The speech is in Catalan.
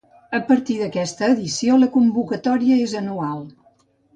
A partir d'aquesta edició, la convocatòria és anual.